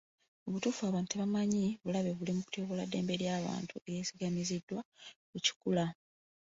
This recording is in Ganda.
Mubutuufu abantu tebamanyi bulabe buli mu kutyoboola ddembe lya buntu eryesigamiziddwa ku kikula.